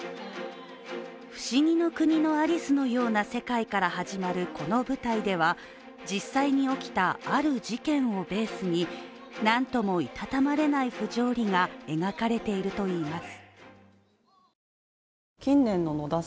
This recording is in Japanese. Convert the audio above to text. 「ふしぎの国のアリス」のような世界から始まるこの舞台では実際に起きた、ある事件をベースになんともいたたまれない不条理が描かれているといいます。